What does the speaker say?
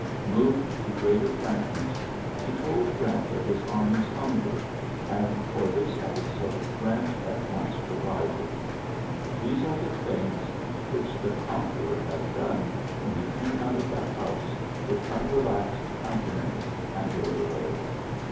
Moved to grea frankness, he told Grant of his am hunger ; and for this also Grant at o provided. These are the things wh the conqueror had done when he ca out of the house with unrelaxed com nance, and rode away.